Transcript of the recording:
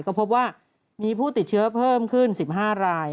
ก็พบว่ามีผู้ติดเชื้อเพิ่มขึ้น๑๕ราย